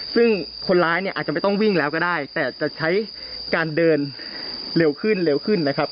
ซึ่งคนร้ายเนี่ยอาจจะไม่ต้องวิ่งแล้วก็ได้แต่จะใช้การเดินเร็วขึ้นเร็วขึ้นนะครับ